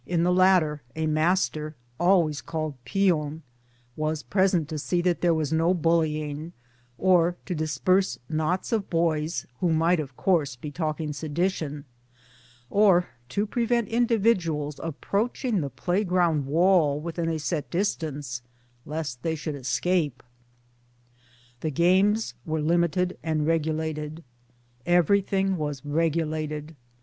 In the latter a master (always called * pion ') was present to see that there was no bullying, or to disperse knots of boys (who might of course be talking sedition) or to prevent individuals approaching the playground wall within a set distance (lest they should escape). The games were limited and regulated. Everything was regulated.